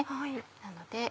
なので